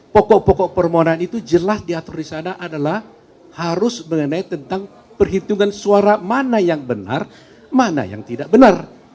pokok pokok permohonan itu jelas diatur di sana adalah harus mengenai tentang perhitungan suara mana yang benar mana yang tidak benar